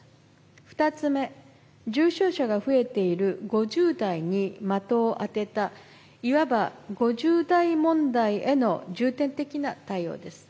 ２つ目、重症者が増えている５０代に的を当てた、いわば５０代問題への重点的な対応です。